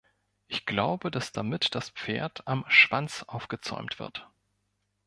Ich glaube, dass damit das Pferd am Schwanz aufgezäumt wird.